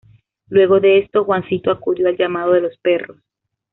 Luego de esto Juancito acudió al llamado de los perros.